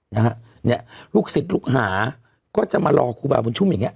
นะฮะเนี่ยลูกศิษย์ลูกหาก็จะมารอครูบาบุญชุ่มอย่างเง